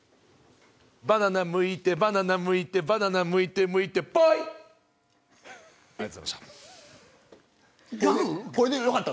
バナナむいてバナナむいてバナナむいて、むいて、ぽいっ。